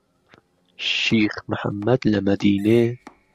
شیخ محەممەد لە مەدینێ